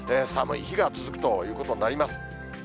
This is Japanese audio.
寒い日が続くということになります。